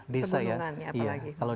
desa ya kalau